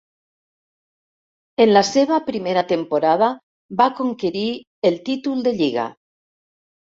En la seva primera temporada va conquerir el títol de lliga.